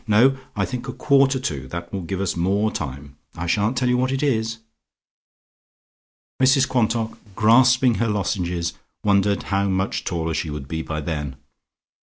No, I think a quarter to. That will give us more time. I shan't tell you what it is." Mrs Quantock, grasping her lozenges, wondered how much taller she would be by then.